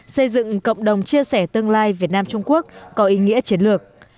xây dựng cộng đồng chia sẻ tương lai việt nam trung quốc có ý nghĩa chiến lược